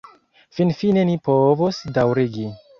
Finfine ni povos daŭrigi!